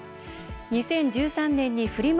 ２０１３年にフリマ